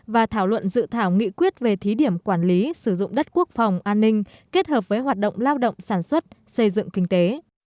và thảo luận dự thảo nghị quyết về thí điểm quản lý sử dụng đất quốc phòng an ninh kết hợp với hoạt động lao động sản xuất xây dựng kinh tế